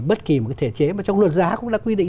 bất kỳ một cái thể chế mà trong luật giá cũng là quy định